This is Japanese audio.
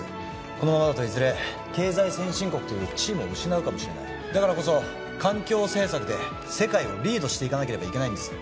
このままだといずれ経済先進国という地位も失うかもしれないだからこそ環境政策で世界をリードしていかなければいけないんです